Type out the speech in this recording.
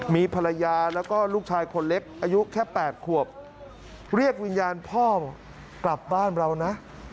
มีภรรยาแล้วก็ลูกชายคนเล็กอายุแค่๘ขวบเรียกวิญญาณพ่อกลับบ้านเรานะ